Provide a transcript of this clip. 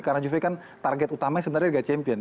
karena juve kan target utamanya sebenarnya liga champion